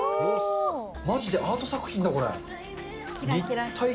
まじでアート作品だ、これ。